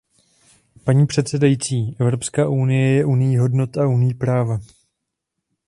Paní předsedající, Evropská unie je unií hodnot a unií práva.